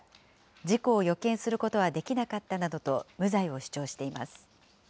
事故を予見することはできなかったなどと無罪を主張しています。